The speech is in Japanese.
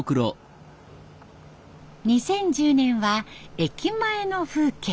２０１０年は駅前の風景。